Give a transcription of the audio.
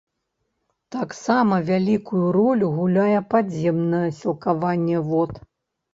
Таксама вялікую ролю гуляе падземнае сілкаванне вод.